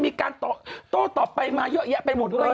มีการโต้ตอบไปมาเยอะแยะไปหมดเลย